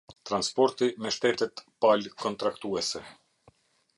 Transporti me shtete Palë Kontraktuese.